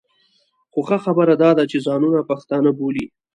خو ښه خبره دا ده چې ځانونه پښتانه بولي.